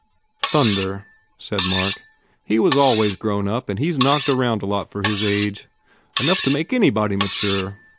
"Thunder," said Mark, "He was always grown up and he s knocked around a lot for his age. Enough to make anybody mature!